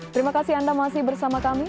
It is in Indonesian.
terima kasih anda masih bersama kami